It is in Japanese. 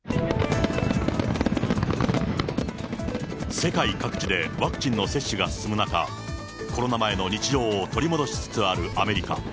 世界各地でワクチンの接種が進む中、コロナ前の日常を取り戻しつつあるアメリカ。